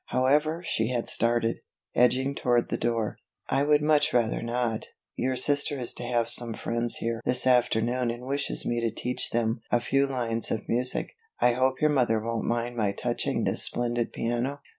However she had started, edging toward the door. "I would much rather not; your sister is to have some friends here this afternoon and wishes me to teach them a few lines of music. I hope your mother won't mind my touching this splendid piano."